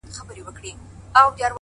سپوږمۍ خو مياشت كي څو ورځي وي;